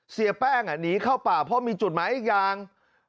เสียแป้งหนีเข้าป่าเพราะมีจุดหมายอีกอย่าง